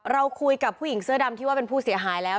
เราคุยกับผู้หญิงเสื้อดำที่ว่าเป็นผู้เสียหายแล้ว